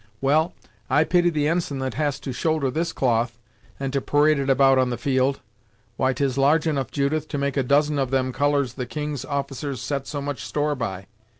"Well, I pity the ensign that has to shoulder this cloth, and to parade it about on the field. Why 'tis large enough, Judith, to make a dozen of them colours the King's officers set so much store by.